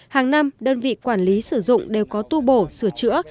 hàng năm đơn vị quản lý sử dụng đều có tu bổ sửa chữa